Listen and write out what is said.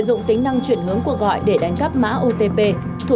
được hơn một mươi năm qua